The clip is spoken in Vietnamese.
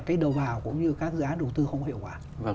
cái đồ vào cũng như các dự án đầu tư không có hiệu quả